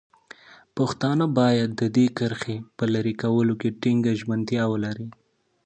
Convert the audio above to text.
پښتانه باید د دې کرښې په لرې کولو کې ټینګه ژمنتیا ولري.